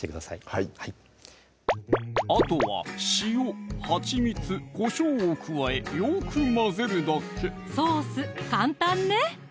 はいはいあとは塩・はちみつ・こしょうを加えよく混ぜるだけソース簡単ね